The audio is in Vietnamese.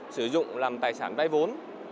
sử dụng làm tài sản vay vốn